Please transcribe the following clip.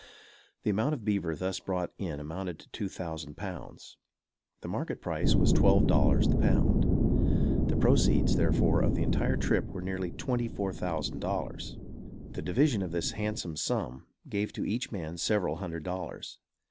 The amount of beaver thus brought in amounted to two thousand pounds. The market price was twelve dollars the pound. The proceeds, therefore, of the entire trip were nearly twenty four thousand dollars. The division of this handsome sum gave to each man several hundred dollars.